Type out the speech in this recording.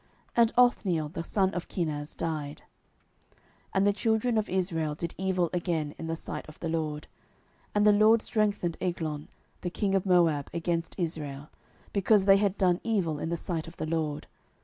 And Othniel the son of Kenaz died. 07:003:012 And the children of Israel did evil again in the sight of the LORD: and the LORD strengthened Eglon the king of Moab against Israel, because they had done evil in the sight of the LORD.